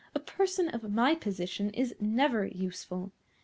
A person of my position is never useful.